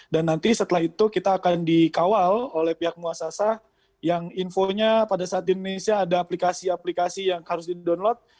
dan nanti setelah itu kita akan dikawal oleh pihak muasasa yang infonya pada saat di indonesia ada aplikasi aplikasi yang harus di download